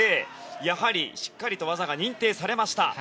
しっかりと技が認定されました。